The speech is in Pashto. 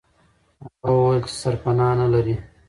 هغه وویل چې سرپنا نه لري.